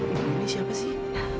ibu ini siapa sih